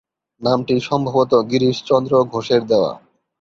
নামটি সম্ভবত গিরিশচন্দ্র ঘোষের দেওয়া।